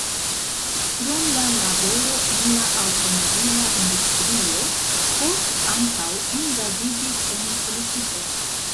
Krom la laboro en la aŭtomobila industrio, Ford ankaŭ engaĝiĝis en politiko.